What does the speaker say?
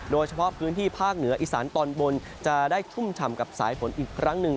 โดยเฉพาะพื้นที่ภาคเหนืออีสานตอนบนจะได้ชุ่มฉ่ำกับสายฝนอีกครั้งหนึ่ง